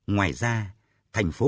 ngoài ra thành phố